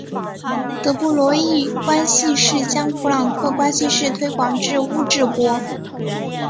德布罗意关系式将普朗克关系式推广至物质波。